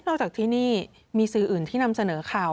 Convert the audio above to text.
จากที่นี่มีสื่ออื่นที่นำเสนอข่าว